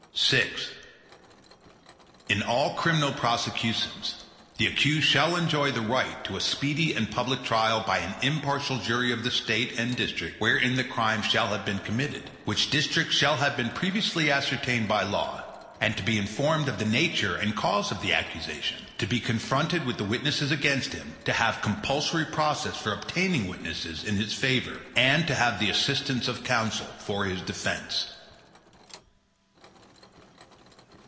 VI In all criminal prosecutions, the accused shall enjoy the right to a speedy and public trial, by an impartial jury of the State and district wherein the crime shall have been committed, which district shall have been previously ascertained by law, and to be informed of the nature and cause of the accusation; to be confronted with the witnesses against him; to have compulsory process for obtaining witnesses in his favor, and to have the assistance of counsel for his defense.